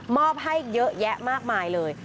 อบให้เยอะแยะมากมายเลย